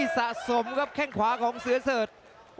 สะสมครับแข้งขวาของเสือเสิร์ช